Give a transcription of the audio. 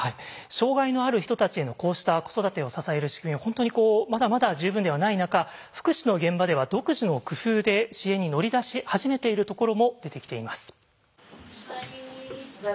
障害のある人たちへのこうした子育てを支える仕組みは本当にまだまだ十分ではない中福祉の現場では独自の工夫で支援に乗り出し始めているところも出てきています。